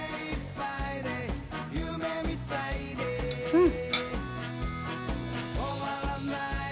うん。